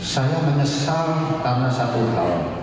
saya menyesal karena satu tahun